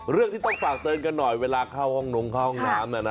เรื่องที่ต้องฝากเตือนกันหน่อยเวลาเข้าห้องนงเข้าห้องน้ำ